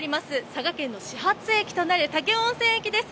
佐賀県の始発駅となる武雄温泉駅です。